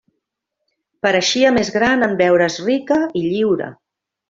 Pareixia més gran en veure's rica i lliure.